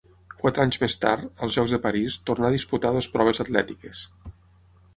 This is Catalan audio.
Quatre anys més tard, als Jocs de París, tornà a disputar dues proves atlètiques.